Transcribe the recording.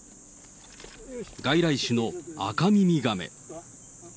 外来種のアカミミガメ。